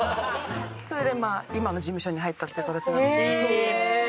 それで今の事務所に入ったっていう形なんですけど。